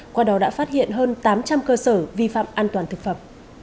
qua đó đã phát hiện hơn tám trăm linh cơ sở vi phạm an toàn thực phẩm